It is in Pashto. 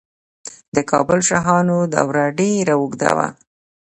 د کابل شاهانو دوره ډیره اوږده وه